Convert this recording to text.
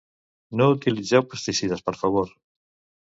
No utilitzeu pesticides, per favor.